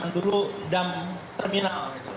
jangan dulu dam terminal